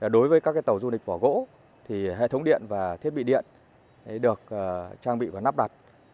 đối với các tàu du lịch vỏ gỗ thì hệ thống điện và thiết bị điện được trang bị và nắp đặt